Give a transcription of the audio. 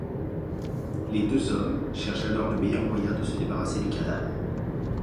Les deux hommes cherchent alors le meilleur moyen de se débarrasser du cadavre.